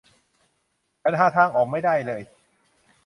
ฉันหาทางออกไม่ได้เลย